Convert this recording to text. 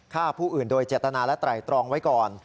ฆ่าผู้อื่นโดยเจตนาและไตรตรองไว้ก่อน